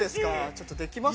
ちょっとできます？